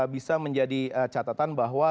bisa menjadi catatan bahwa